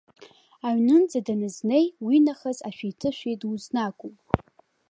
Аҩнынӡа данызнеи, уинахыс ашәи-ҭышәи дузнагом.